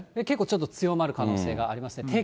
結構ちょっと強まる可能性がありますね。